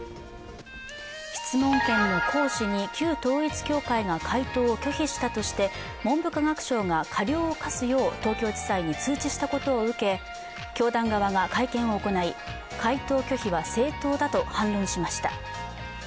質問権の行使に旧統一教会が回答を拒否したとして文部科学省が過料を科すよう東京地裁に通知したことを受け教団側が会見を行い、回答拒否は正当だと反論しました。